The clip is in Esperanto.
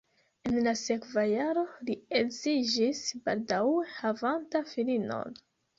En la sekva jaro li edziĝis baldaŭe havanta filinon.